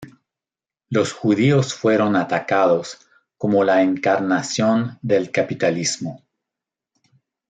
Los judíos fueron atacados como la encarnación del capitalismo.